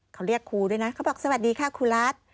เขาเรียกครูด้วยนะเขาบอกสวัสดีค่ะครูรัฐ